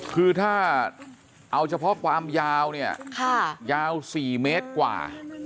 คือถ้าเอาเฉพาะความยาวเนี่ยยาว๔เมตรกว่า